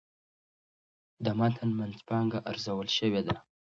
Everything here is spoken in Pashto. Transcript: د متن منځپانګه ارزول شوې ده.